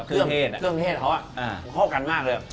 เครื่องเทศเค้าเข้ากันมากเลย